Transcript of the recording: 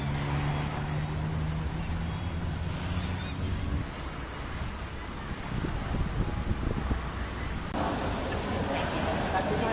สวัสดีทุกคน